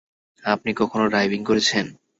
আপনি কখনো ডাইভিং করেছেন?